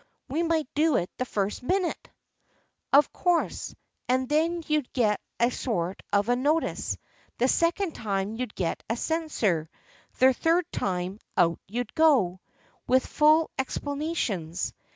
" We might do it the very first minute !"" Of course, and then you'd get a sort of a notice. The second time, you'd get a censure. The third time, out you'd go, with full explana tions.